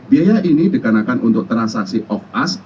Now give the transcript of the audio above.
biaya ini dikenakan untuk transaksi off us